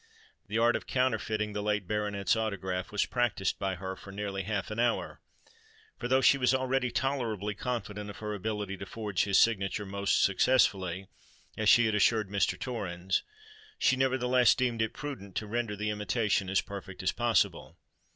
The art of counterfeiting the late baronet's autograph was practised by her for nearly half an hour; for though she was already tolerably confident of her ability to forge his signature most successfully,—as she had assured Mr. Torrens,—she nevertheless deemed it prudent to render the imitation as perfect as possible.